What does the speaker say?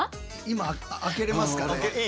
今開けれますかね？